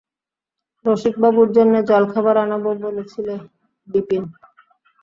রসিকবাবুর জন্যে জলখাবার আনাবে বলেছিলে– বিপিন।